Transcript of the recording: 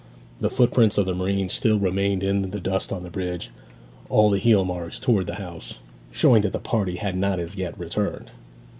The footprints of the marines still remained in the dust on the bridge, all the heel marks towards the house, showing that the party had not as yet returned.